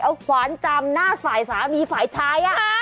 เอาขวานจำหน้าฝ่ายสามีฝ่ายชาย